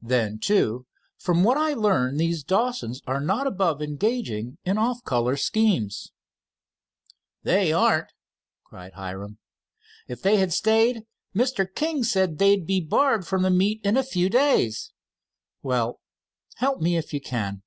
Then, too, from what I learn these Dawsons are not above engaging in of off color schemes." "They aren't!" cried Hiram. "If they had stayed, Mr. King said they'd be barred from the meets in a few days." "Well, help me all you can."